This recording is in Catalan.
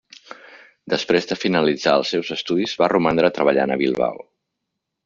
Després de finalitzar els seus estudis va romandre treballant a Bilbao.